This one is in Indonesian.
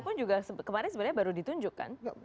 pun juga kemarin sebenarnya baru ditunjukkan